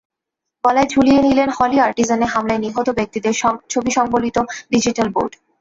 গলায় ঝুলিয়ে নিলেন হলি আর্টিজানে হামলায় নিহত ব্যক্তিদের ছবিসংবলিত ডিজিটাল বোর্ড।